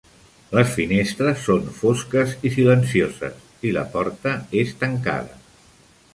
Les finestres són fosques i silencioses, i la porta és tancada.